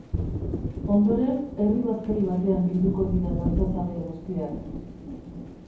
Ondoren, herri bazkari batean bilduko dira dantzazale guztiak.